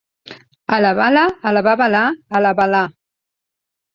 A la bala, a la babalà alaba-la.